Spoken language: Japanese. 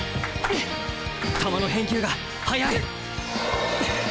球の返球が早い。